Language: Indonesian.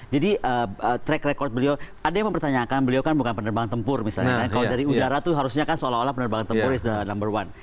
jadi track record beliau ada yang mempertanyakan beliau kan bukan penerbangan tempur misalnya kalau dari udara itu harusnya kan seolah olah penerbangan tempur is the number one